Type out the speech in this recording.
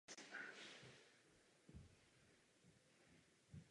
Sám vyvázl bez zranění.